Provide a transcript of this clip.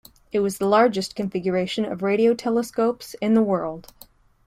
It was the largest configuration of radio telescopes in the world.